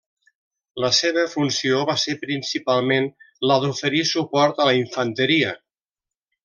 La seva funció va ser principalment la d'oferir suport a la infanteria.